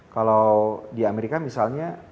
kalau di amerika misalnya